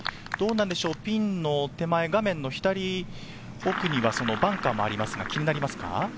ピンの手前、画面の左奥にはバンカーもありますが、気になりますか？